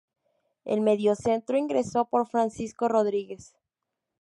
El mediocentro ingresó por Francisco Rodríguez.